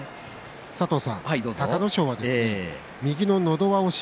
隆の勝は右ののど輪押し。